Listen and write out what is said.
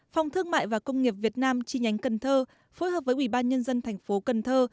phòng thương mại và công nghiệp việt nam chi nhánh cần thơ phối hợp với ubnd tp cần thơ